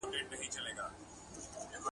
دا ځالۍ ده دبازانو ..